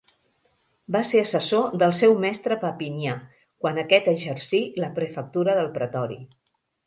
Va ser assessor del seu mestre Papinià, quan aquest exercí la prefectura del pretori.